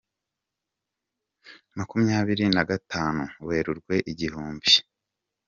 Makumyabiri na gatanu Werurwe igihumbi